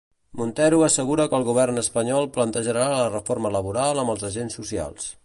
Montero assegura que el govern espanyol plantejarà la reforma laboral amb els agents socials.